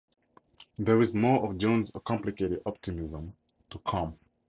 There is more of Jones's "complicated optimism" to come.